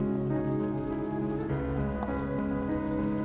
kalian melakukan apa